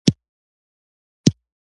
زه د خندا ویډیوګانې جوړوم.